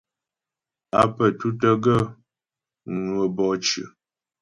Á pə́ tútə́ gaə́ ŋwə́ bɔ'ɔ cyə.